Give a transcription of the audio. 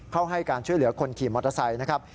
ให้การช่วยเหลือคนขี่มอเตอร์ไซค์นะครับ